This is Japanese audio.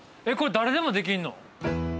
これ誰でもできんの？